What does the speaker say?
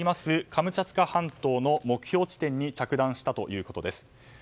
カムチャツカ半島の目標地点に着弾したということです。